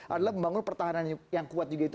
adalah membangun pertahanan yang kuat juga itu